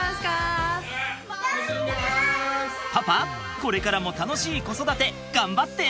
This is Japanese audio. パパこれからも楽しい子育て頑張って！